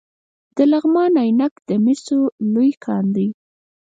د لغمان عينک د مسو لوی کان دی